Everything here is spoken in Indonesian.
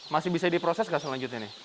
masih bisa diproses nggak selanjutnya nih